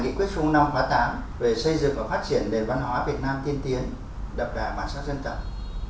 nghị quyết trung mương năm khoa tám là chiến lược phát triển văn hóa của đảng của nhà nước ra trong thời kỳ đổi mới